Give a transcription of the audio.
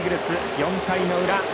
４回の裏。